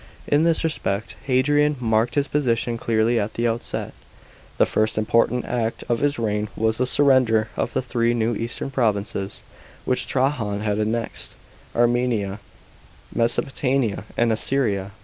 In this respect, Hadrian marked his position clearly at the outset. The first important act of his reign was the surrender of the three new eastern provinces, which Trajan had annexed, Armenia, Mesopotamia, and Assyria.